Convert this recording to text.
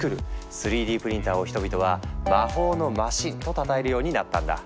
３Ｄプリンターを人々は「魔法のマシン」とたたえるようになったんだ。